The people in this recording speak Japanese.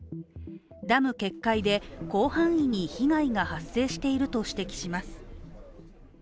ダム決壊で、広範囲に被害が発生していると指摘します。